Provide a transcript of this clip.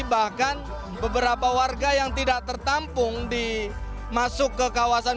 bahkan beberapa warga yang tidak tertampung masuk ke kawasan